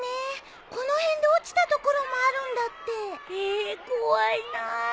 え怖いなあ。